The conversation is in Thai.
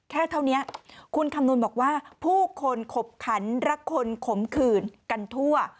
เท่านี้คุณคำนวณบอกว่าผู้คนขบขันรักคนขมขื่นกันทั่ว